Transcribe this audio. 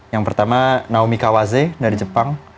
yang pertama naomi kawase dari jepang